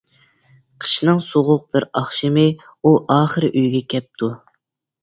قىشنىڭ سوغۇق بىر ئاخشىمى ئۇ ئاخىر ئۆيگە كەپتۇ.